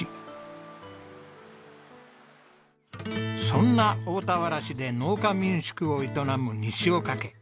そんな大田原市で農家民宿を営む西岡家。